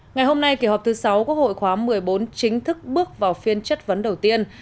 ngày hôm nay kỳ họp thứ sáu quốc hội khóa một mươi bốn chính thức bước vào phiên chất vấn đầu tiên